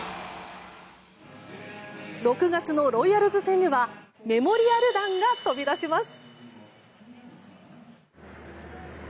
６月のロイヤルズ戦ではメモリアル弾が飛び出します。